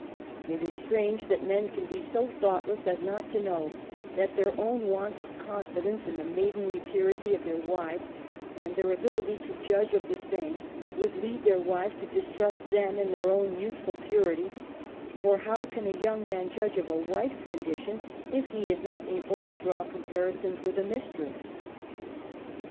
It is strange that men can be so thoughtless as not to know that their own want of conscience in the maidenly purity of their wives, and their ability to judge of the same, would lead their wives to distrust them in their own youthful purity, for how can a /young man judge of a wije's condition if he is not I able to draw comparisons with a mistress.